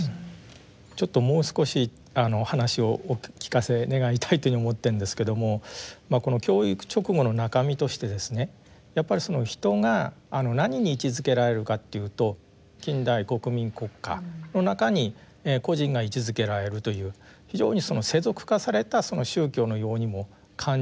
ちょっともう少し話をお聞かせ願いたいというふうに思ってるんですけどもこの教育勅語の中身としてやっぱり人が何に位置づけられるかというと近代国民国家の中に個人が位置づけられるという非常に世俗化された宗教のようにも感じるわけですよね。